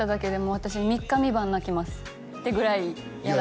私三日三晩泣きますってぐらい嫌だ